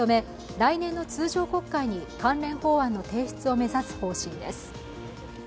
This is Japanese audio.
来年の通常国会に関連法案の提出を目指す方針です。